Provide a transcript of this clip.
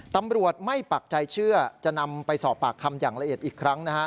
ตำรวจไม่ปักใจเชื่อจะนำไปสอบปากคำอย่างละเอียดอีกครั้งนะฮะ